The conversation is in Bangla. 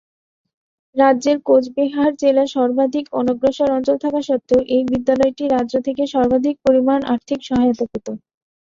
রাজ্যের কোচবিহার জেলা সর্বাধিক অনগ্রসর অঞ্চল থাকা সত্ত্বেও, এই বিদ্যালয়টি রাজ্য থেকে সর্বাধিক পরিমাণ আর্থিক সহায়তা পেত।